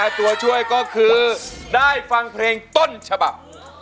ตัวช่วยนะครับ